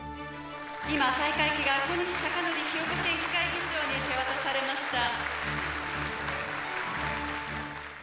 今大会旗が小西隆紀兵庫県議会議長に手渡されました。